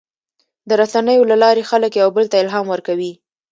د رسنیو له لارې خلک یو بل ته الهام ورکوي.